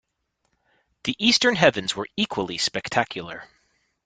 The eastern heavens were equally spectacular.